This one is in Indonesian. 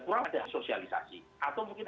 kurang ada sosialisasi atau mungkin